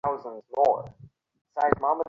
খতম করে দে!